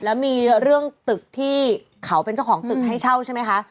แล้วมีเรื่องตึกที่เขาเป็นเจ้าของตึกให้เช่าใช่ไหมคะ